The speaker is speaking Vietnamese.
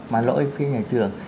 mà lỗi phía nhà trường